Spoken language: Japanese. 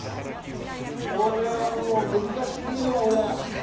これはもう難しすぎるわ俺。